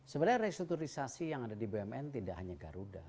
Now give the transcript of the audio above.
sebenarnya restrukturisasi yang ada di bumn tidak hanya garuda